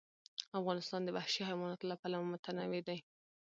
افغانستان د وحشي حیواناتو له پلوه متنوع دی.